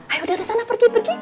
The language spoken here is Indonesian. ayo dari sana pergi pergi